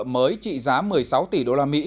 mới trị giá một mươi sáu tỷ đô la mỹ